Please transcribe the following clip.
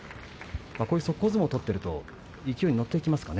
速攻相撲を取っていると勢いに乗ってきますかね。